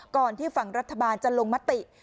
ก่อนที่ฝั่งรัฐบาลจะลงมติ